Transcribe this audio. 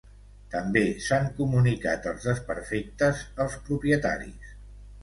També s’han comunicat els desperfectes als propietaris.